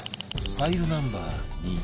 ファイルナンバー２